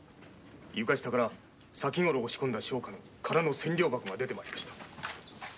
床下から先ごろ押し込んだ商家の空の千両箱が出て参りました。